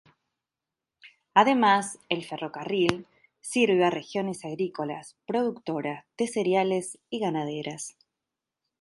Además, el ferrocarril sirve a regiones agrícolas productora de cereales y ganaderas.